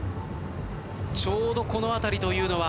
ちょうどこの辺りというのは。